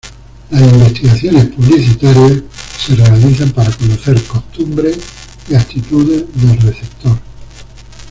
Las Investigaciones Publicitarias se realizan para conocer costumbres y actitudes del receptor.